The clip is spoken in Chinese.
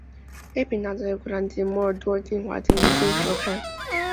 该频道在乌克兰及摩尔多瓦被禁止收看。